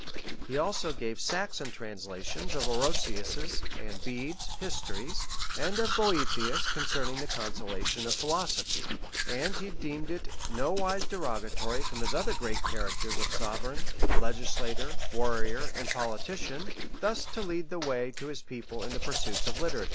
He also gave Saxon translations of Orosius's and Bede's histories; and of Boethius concerning the consolation of philosophy.[] And he deemed it nowise derogatory from his other great characters of sovereign, legislator, warrior, and politician, thus to lead the way to his people in the pursuits of literature.